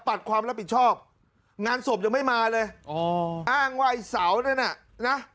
ปัดความรับผิดชอบงานสวบยังไม่มาเลยอ้างว่าไอ้สาวนั้นน่ะ